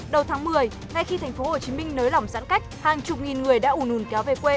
đầu tháng một mươi ngay khi thành phố hồ chí minh nới lỏng giãn cách hàng chục nghìn người đã ủ nùn kéo về quê